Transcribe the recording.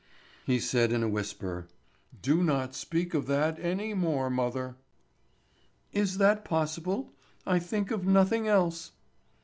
He said in a whisper: "Do not speak of that any more, mother." "Is that possible? I think of nothing else."